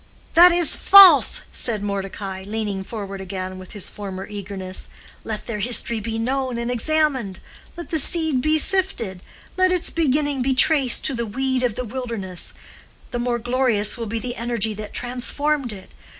"That is false!" said Mordecai, leaning forward again with his former eagerness. "Let their history be known and examined; let the seed be sifted, let its beginning be traced to the weed of the wilderness—the more glorious will be the energy that transformed it.